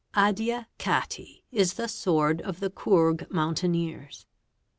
Adya katti is the sword of 1 Coorg mountaineers.